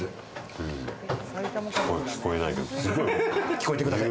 聞こえてください。